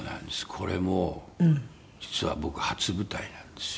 これも実は僕初舞台なんですよ。